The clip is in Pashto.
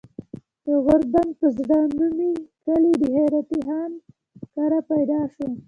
د غوربند پۀ زړه نومي کلي د خېراتي خان کره پيدا شو